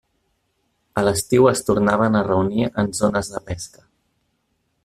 A l'estiu es tornaven a reunir en zones de pesca.